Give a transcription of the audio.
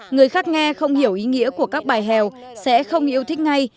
người khác nghe không hiểu ý nghĩa của các bài hèo sẽ không yêu thích ngay